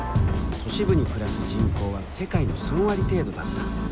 都市部に暮らす人口は世界の３割程度だった。